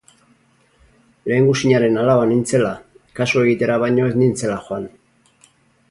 Lehengusinaren alaba nintzela, kasu egitera baino ez nintzela joan.